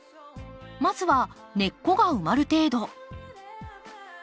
まずは根っこが埋まる程度。